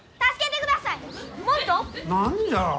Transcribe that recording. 何じゃ？